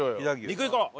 「肉」いこう！